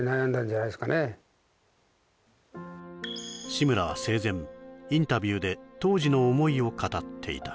志村は生前インタビューで当時の思いを語っていた